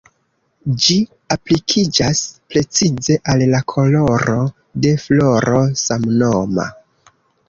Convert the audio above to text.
Ĝi aplikiĝas precize al la koloro de floro samnoma.